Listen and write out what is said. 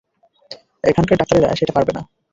এখানকার ডাক্তারেরা সেটা পারবে না।